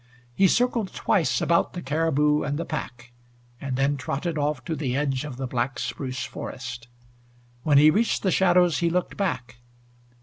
He circled twice about the caribou and the pack, and then trotted off to the edge of the black spruce forest. When he reached the shadows he looked back.